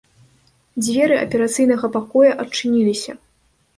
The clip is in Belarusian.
Дзверы аперацыйнага пакоя адчыніліся.